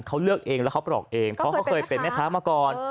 เขาเลือกเองแล้วเขาปลอกเองเพราะเขาเคยเป็นแม่ค้ามาก่อน